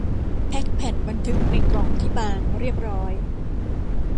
แพ็คแผ่นบันทึกในกล่องที่บางเรียบร้อย